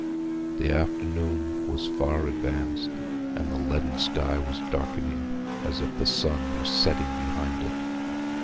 The afternoon was far advanced, and the leaden sky was darkening, as if the sun were setting behind it.